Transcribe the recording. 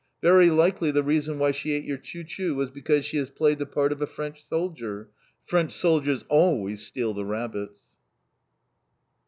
"Very likely the reason why she ate your Chou chou was because she has played the part of a French soldier. _French soldiers always steal the rabbits!